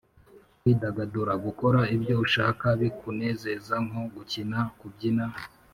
kwidagadura : gukora ibyo ushaka bikunezeza nko gukina, kubyina, …